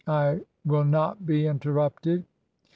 'I will not be interrupted!